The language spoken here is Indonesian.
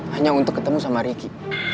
hanya untuk ketemu sama ricky